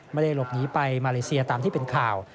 ไม่ได้หลบหนีไปมาเลเซียตามที่เป็นข่าว